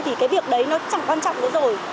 thì cái việc đấy nó chẳng quan trọng nữa rồi